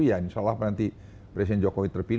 ya insya allah nanti presiden jokowi terpilih